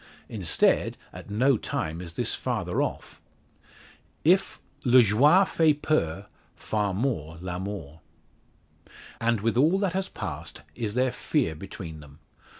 Instead, at no time is this farther off. If le joie fait peur, far more l'amour. And with all that has passed is there fear between them.